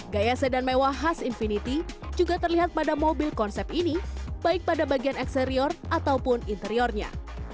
gaya sedan mewah khas infinity juga terlihat pada mobil konsep ini baik pada bagian eksterior ataupun interiornya